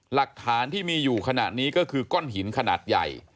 หลักฐานที่มีอยู่ขณะนี้ก็คือก้อนหินขนาดใหญ่